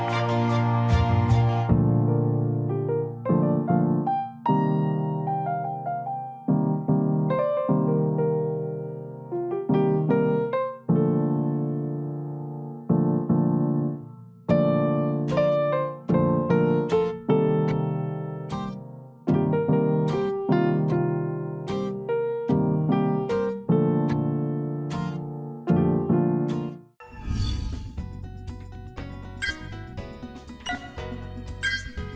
hẹn gặp lại